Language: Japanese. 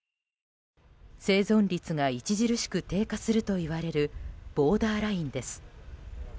生存率が著しく低下するといわれるボーダーラインです。